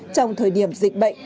trong thời điểm dịch bệnh